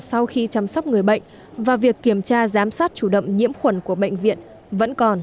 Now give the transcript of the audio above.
sau khi chăm sóc người bệnh và việc kiểm tra giám sát chủ động nhiễm khuẩn của bệnh viện vẫn còn